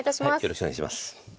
よろしくお願いします。